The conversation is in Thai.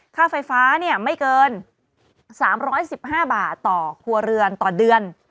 ค่าไฟฟ้าไม่เกิน๓๑๕บาทต่อครัวเรือนต่อเดือน